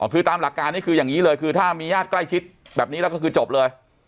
คือตามหลักการนี่คืออย่างนี้เลยคือถ้ามีญาติใกล้ชิดแบบนี้แล้วก็คือจบเลย